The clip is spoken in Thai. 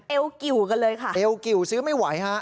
กิวกันเลยค่ะเอวกิวซื้อไม่ไหวฮะ